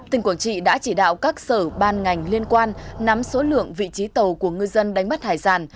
tỉnh quảng trị đã chỉ đạo các sở ban ngành liên quan nắm số lượng vị trí tàu của ngư dân đánh bắt hải sản